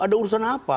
ada urusan apa